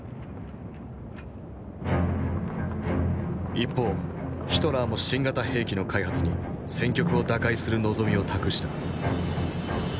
一方ヒトラーも新型兵器の開発に戦局を打開する望みを託した。